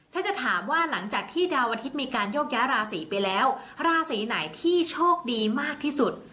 ถ้าจะถามว่าหลังจากที่ดาวอาทิตย์มีการโยกย้ายราศีไปแล้วราศีไหนที่โชคดีมากที่สุด